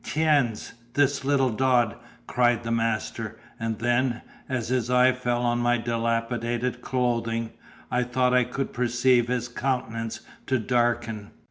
"Tiens, this little Dodd!" cried the master; and then, as his eye fell on my dilapidated clothing, I thought I could perceive his countenance to darken.